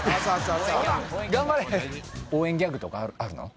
頑張れ応援ギャグとかあるの？